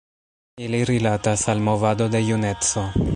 Ili rilatas al movado de juneco.